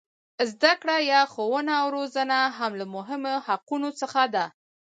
زده کړه یا ښوونه او روزنه هم له مهمو حقونو څخه ده.